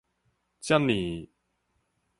遮爾